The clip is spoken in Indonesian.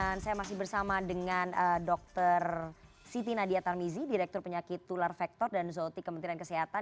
dan saya masih bersama dengan dokter siti nadia tarmizi direktur penyakit tular vector dan zoti kementerian kesehatan